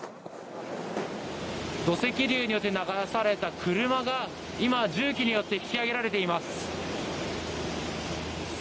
土石流によって流された車が今、重機によって引き上げられています。